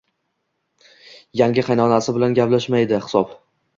Yangi qaynonasi bilan gaplashmaydi, hisob